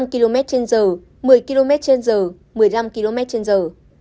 năm km trên giờ một mươi km trên giờ một mươi năm km trên giờ